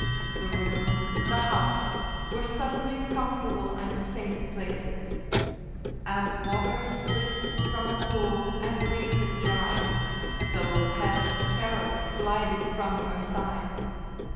The room, the house, were suddenly comfortable and safe places; as water slips from a pool and leaves it dry, so had terror glided from her side.